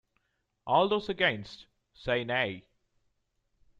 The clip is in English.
All those against, say Nay.